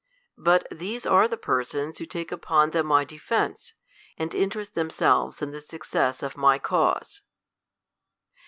But these are the j>ersons who take upon them my defence, and interest themselves iu the success of my cause.